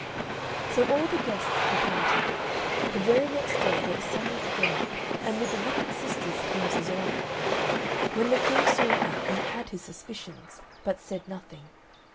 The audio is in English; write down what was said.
So all the guests departed the very next day they assembled again, and with the wicked sisters came Zezolla. When the King saw her he had his suspicions, but said nothing.